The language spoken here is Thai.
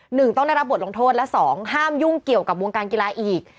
หนึ่งต้องได้รับบทลงโทษและสองห้ามยุ่งเกี่ยวกับวงการกีฬาอีก